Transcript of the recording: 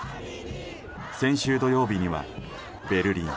先週土曜日には、ベルリン。